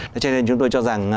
thế cho nên chúng tôi cho rằng